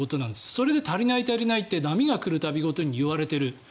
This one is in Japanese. それで足りない足りないって波が来る度ごとに言われている。